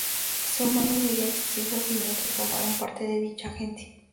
Su hermano Miguel, sus hijos y nietos formaron parte de dicha agencia.